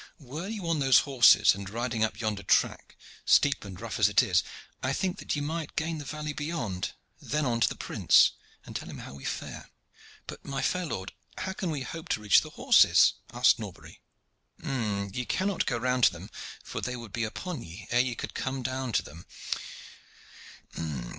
"Were you on those horses, and riding up yonder track, steep and rough as it is, I think that ye might gain the valley beyond. Then on to the prince, and tell him how we fare." "But, my fair lord, how can we hope to reach the horses?" asked Norbury. "Ye cannot go round to them, for they would be upon ye ere ye could come to them.